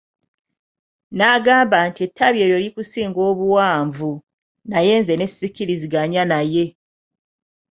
N'agamba nti ettabi eryo likusinga obuwanvu, naye nze ne sikkiriziganya naye.